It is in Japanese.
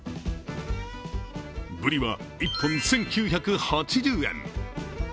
ぶりは１本１９８０円。